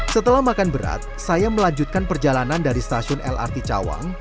setelah makan berat saya melanjutkan perjalanan dari stasiun lrt cawang